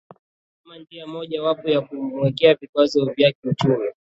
kama njia moja wapo ya kumwekea vikwazo vya kiuchumi